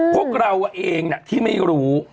พวกเราเองนะที่ที่ไม่รู้